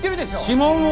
指紋を。